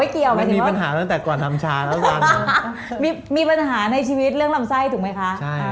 มีปัญหาตั้งแต่ก่อนทำชาแล้วกันมีปัญหาในชีวิตเรื่องลำไส้ถูกไหมคะ